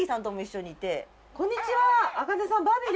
こんにちは。